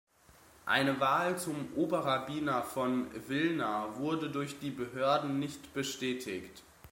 Eine Wahl zum Oberrabbiner von Wilna wurde durch die Behörden nicht bestätigt.